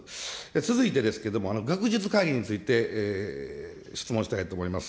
続いてですけれども、学術会議について、質問したいと思います。